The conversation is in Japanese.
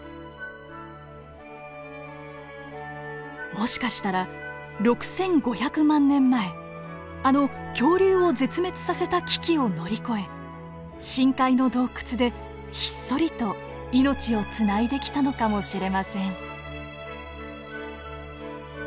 もしかしたら６，５００万年前あの恐竜を絶滅させた危機を乗り越え深海の洞窟でひっそりと命をつないできたのかもしれません。